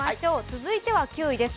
続いては９位です。